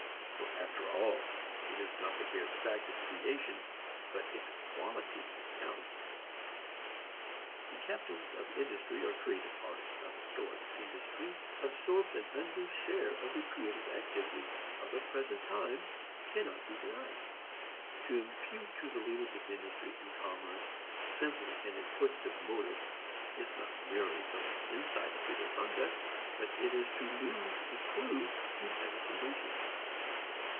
For after all it is not the bare fact of creation but its quality which counts. That captains of industry are creative artists of a sort, and that industry absorbs an undue share of the creative activity of the present time cannot be denied. To impute to the leaders of industry and commerce simply an acquisitive motive is not merely to lack insight into their conduct, but it is to lose the clew to bettering conditions.